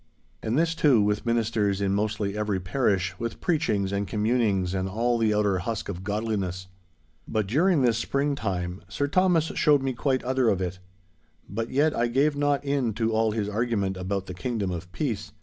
And this, too, with ministers in mostly every parish, with preachings and communings, and all the outer husk of godliness. But during this springtime, Sir Thomas showed me quite other of it. But yet I gave not in to all his argument about the Kingdom of Peace.